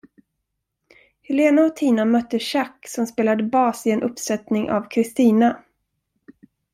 Helena och Tina mötte Jacques som spelade bas i en uppsättning av Kristina.